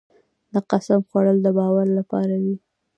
د قسم خوړل د باور لپاره وي.